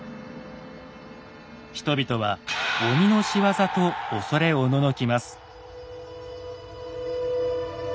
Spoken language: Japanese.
人々は鬼の仕業と恐れおののきます。